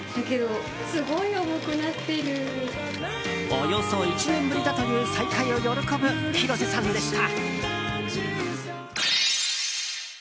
およそ１年ぶりだという再会を喜ぶ広瀬さんでした。